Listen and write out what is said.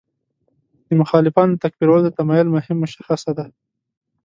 د مخالفانو تکفیرولو ته تمایل مهم مشخصه ده.